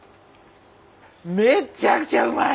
めちゃくちゃうまい！